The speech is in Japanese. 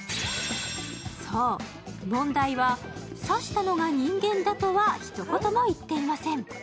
そう、問題は刺したのが人間だとは一言も言っていません。